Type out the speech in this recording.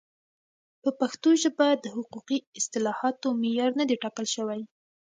په پښتو ژبه د حقوقي اصطلاحاتو معیار نه دی ټاکل شوی.